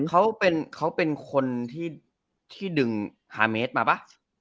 เอ๊ะเขาเป็นคนที่ดึง๕เมตรมาปะ